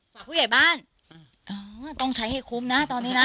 ฝากผู้ใหญ่บ้านอ๋อต้องใช้ให้คุ้มนะตอนนี้นะ